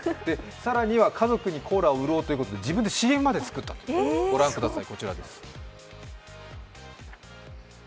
更には家族にコーラを売ろうということで自分でＣＭまで作ったんです、ご覧ください。